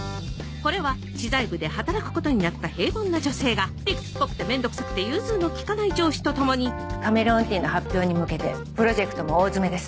これは知財部で働くことになった平凡な女性が理屈っぽくて面倒くさくて融通の利かない上司と共にカメレオンティーの発表に向けてプロジェクトも大詰めです。